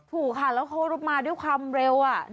ถูกค่ะแล้วเขามาด้วยความเร็ว